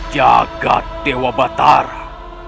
jagad dewa batara